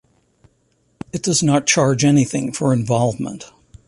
It does not charge anything for involvement.